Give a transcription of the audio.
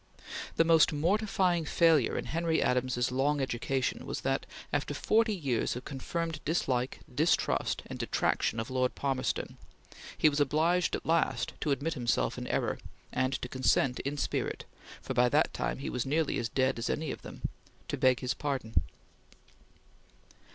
The most mortifying failure in Henry Adams's long education was that, after forty years of confirmed dislike, distrust, and detraction of Lord Palmerston, he was obliged at last to admit himself in error, and to consent in spirit for by that time he was nearly as dead as any of them to beg his pardon.